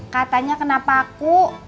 katanya kenapa aku